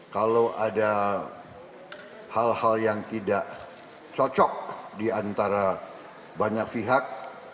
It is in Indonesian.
kalau ada hal hal yang tidak cocak diantara banyak pihak